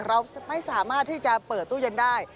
เราไม่สามารถที่จะเปิดตู้เย็นได้